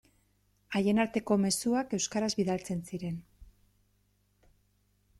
Haien arteko mezuak euskaraz bidaltzen ziren.